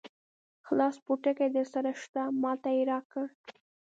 خلاص پوټکی درسره شته؟ ما ته یې راکړ.